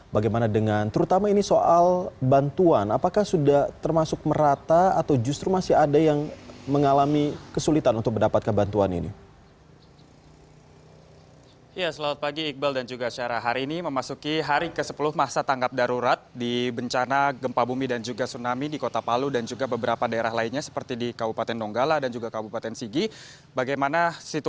bagaimana dengan terutama ini soal bantuan apakah sudah termasuk merata atau justru masih ada yang mengalami kesulitan untuk mendapatkan bantuan ini